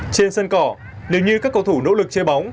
trên sân cỏ nếu như các cầu thủ nỗ lực chơi bóng